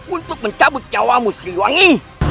untuk mencabut nyawamu siliwangi